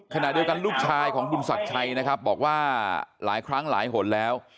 ขณะเดียวกันลูกชายของคุณศักดิ์ชัยนะครับบอกว่าหลายครั้งหลายหนแล้ว